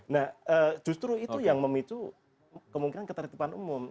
nah justru itu yang memicu kemungkinan ketertiban umum